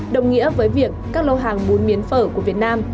đồng nghĩa với việc các lô hàng bún miến phở của việt nam